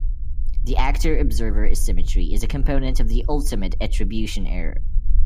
The actor-observer asymmetry is a component of the ultimate attribution error.